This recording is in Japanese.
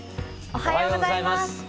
おはようございます。